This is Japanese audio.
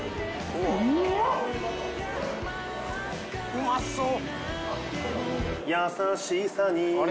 うまそう！